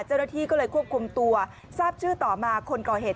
เจ้าหน้าที่ก็เลยควบคุมตัวทราบชื่อต่อมาคนก่อเหตุ